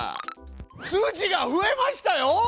数字が増えましたよ！